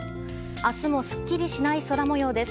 明日もすっきりしない空模様です。